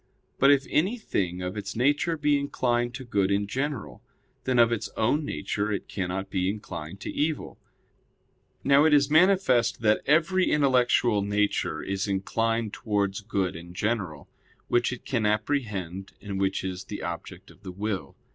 But if anything of its nature be inclined to good in general, then of its own nature it cannot be inclined to evil. Now it is manifest that every intellectual nature is inclined towards good in general, which it can apprehend and which is the object of the will.